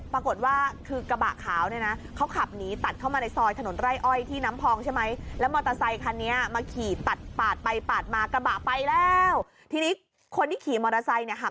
ปรากฏว่าคือกระบะขาวนี่นะเขาขับนี้ตัดเข้ามาในซอย